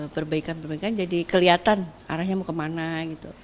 perbaikan perbaikan jadi kelihatan arahnya mau kemana gitu